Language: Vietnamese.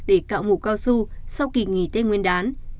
để cạo mục cao su sau kỳ nghỉ tây nguyên đán